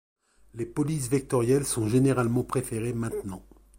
Les polices vectorielles sont généralement préférées maintenant.